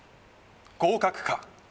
合格か？